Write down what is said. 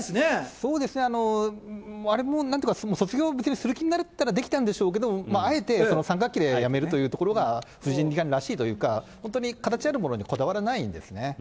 そうですね、あれもなんとか、卒業する気になったらできたんでしょうけど、あえて、３学期で辞めるというところが、藤井二冠らしいというか、本当に形あるものにこだわらないんですね。